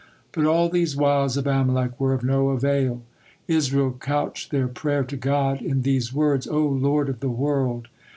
But all these wiles of Amalek were of no avail. Israel couched their prayer to God in these words: "O Lord of the world!